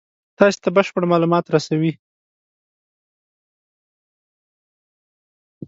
تاسې ته بشپړ مالومات رسوي.